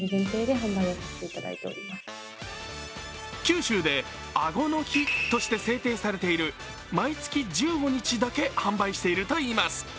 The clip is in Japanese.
九州で、あごの日として制定されている毎月１５日だけ販売しているといいます。